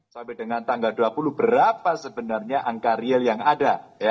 sampai dengan tanggal dua puluh berapa sebenarnya angka real yang ada